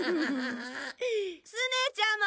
スネちゃま！